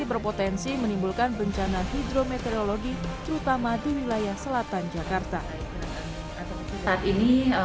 berpotensi menimbulkan bencana hidrometeorologi terutama di wilayah selatan jakarta saat ini